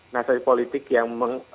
narasi politik yang